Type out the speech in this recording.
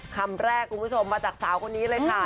คำแรกคุณผู้ชมมาจากสาวคนนี้เลยค่ะ